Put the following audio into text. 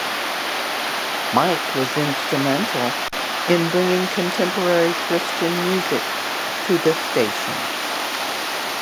Mike was instrumental in bringing Contemporary Christian Music to the station.